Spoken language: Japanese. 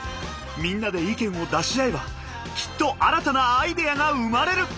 みんなで意見を出し合えばきっと新たなアイデアが生まれる！